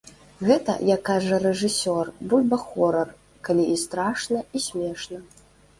Гэта, як кажа рэжысёр, бульба-хорар, калі і страшна, і смешна.